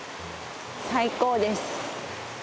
最高です。